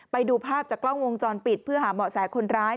ไปดูภาพจากกล้องวงจรปิดเพื่อหาเบาะแสคนร้าย